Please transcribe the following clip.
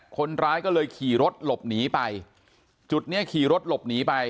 คนร้ายก็เลยขี่รถหลบหนีไปจุดเนี้ยขี่รถหลบหนีไป